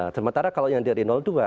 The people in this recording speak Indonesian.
sementara kalau yang dari dua